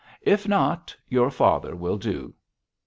'If not, your father will do.'